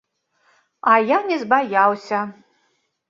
А я не збаяўся.